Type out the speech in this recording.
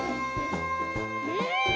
うん。